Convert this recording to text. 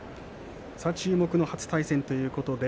注目の初対戦です。